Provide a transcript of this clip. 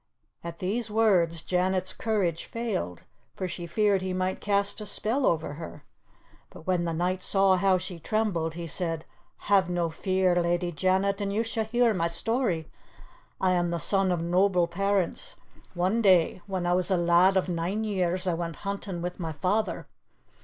At these words Janet's courage failed, for she feared he might cast a spell over her. But when the knight saw how she trembled, he said, "Have no fear, Lady Janet, and you shall hear my story. I am the son of noble parents. One day, when I was a lad of nine years, I went hunting with my father.